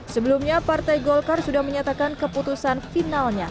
sebelumnya partai golkar sudah menyatakan keputusan finalnya